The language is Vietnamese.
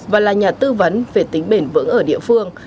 và là nhà tư vấn về tính bền vững ở địa phương